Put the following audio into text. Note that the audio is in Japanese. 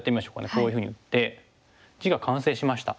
こういうふうに打って地が完成しました。